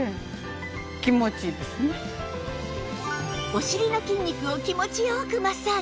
お尻の筋肉を気持ち良くマッサージ！